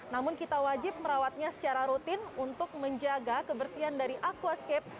namun kita wajib merawatnya secara rutin untuk menjaga kebersihan dari aquascape